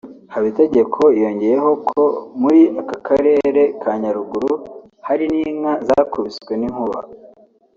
Habitegeko yongeyeho ko muri aka karere ka Nyaruguru hari n’inka zakubiswe n’inkuba